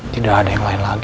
tidak ada yang lain lagi